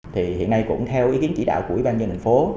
thì hiện nay cũng theo ý kiến chỉ đạo của ủy ban nhân thành phố